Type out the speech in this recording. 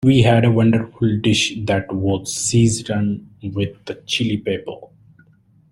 We had a wonderful dish that was seasoned with Chili Peppers.